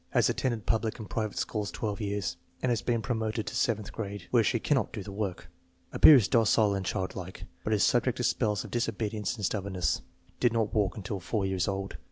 Has attended public and private schools twelve years and has been promoted to seventh grade, where she cannot do the work. Appears docile and childlike, but is subject to spells of disobedience and stubbornness. Did not walk until 4 years old.